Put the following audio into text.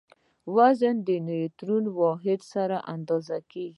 وزن د نیوټڼ د واحد سره اندازه کیږي.